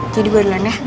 jadi gue duluan ya